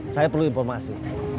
saya perlu informasi